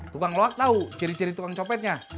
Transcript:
tukang loak tahu ciri ciri tukang copetnya